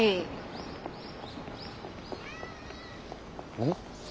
うん？